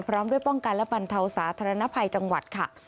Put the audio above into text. พร้อมด้วยป้องกันและบรรเทาสาธารณภัยจังหวัดค่ะ